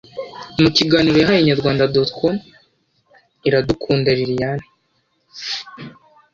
mu kiganiro yahaye inyarwanda.com iradukunda liliane